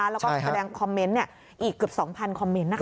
แล้วก็แสดงคอมเมนต์อีกเกือบ๒๐๐คอมเมนต์นะคะ